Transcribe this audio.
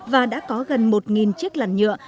và đã có gần một chiếc làn nhựa